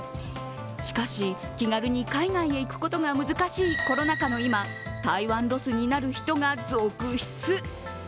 しかし、気軽に海外へ行くことが難しいコロナ禍の今、台湾ロスになる人が続出。